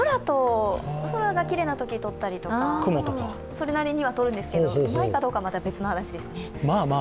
空がきれいなときに撮ったりとか、それなりには撮るんですがうまいかどうか、また別の話ですね全然。